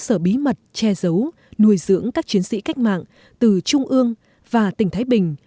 cơ sở bí mật che giấu nuôi dưỡng các chiến sĩ cách mạng từ trung ương và tỉnh thái bình